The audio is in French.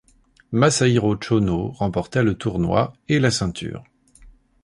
Masahiro Chono remportait le tournoi et la ceinture.